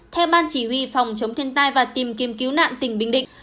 theo ban chỉ huy phòng chống thiên tai và tìm kiếm cứu nạn tỉnh bình định